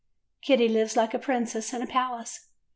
"Kitty lives like a princess in a palace.